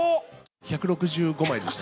１６５枚でした。